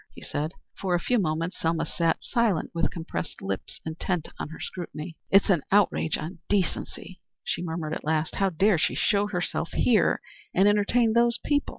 he said. For a few moments Selma sat silent with compressed lips, intent on her scrutiny. "It's an outrage on decency," she murmured, at last. "How dare she show herself here and entertain those people?"